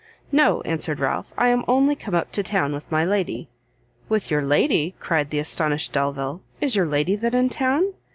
"No," answered Ralph, "I am only come up to town with my lady." "With your lady?" cried the astonished Delvile, is your lady then in town?"